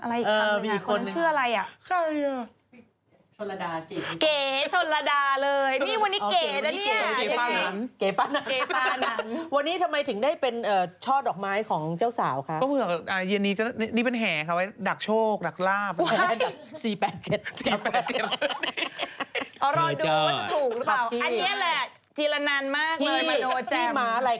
อะไรอีกคำไมคะคนนั้นชื่ออะไร